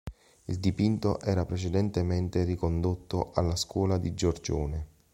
Il dipinto era precedentemente ricondotto alla scuola di Giorgione.